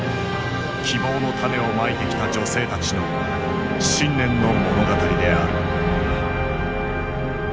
希望の種をまいてきた女性たちの信念の物語である。